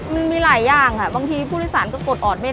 มันมีหลายอย่างอะบางทีผู้ชาญก็กดอดไม่ทัน